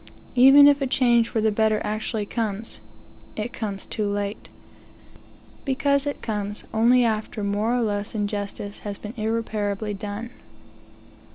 Even if a change for the better actually comes, t cmes too late, because it comes only after more or less injustice has been irreparably done.